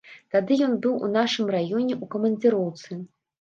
Тады ён быў у нашым раёне ў камандзіроўцы.